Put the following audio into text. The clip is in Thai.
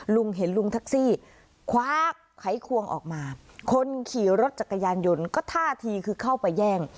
ลุงเห็นลุงแท็กซี่คว้าไขควงออกมาคนขี่รถจักรยานยนต์ก็ท่าทีคือเข้าไปแย่ง